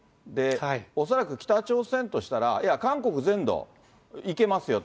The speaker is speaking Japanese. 恐らく北朝鮮としたら、いや、韓国全土いけますよと。